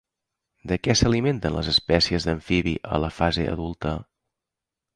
De què s'alimenten les espècies d'amfibi a la fase adulta?